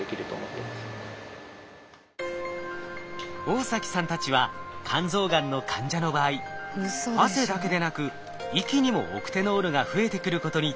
大崎さんたちは肝臓がんの患者の場合汗だけでなく息にもオクテノールが増えてくることに注目。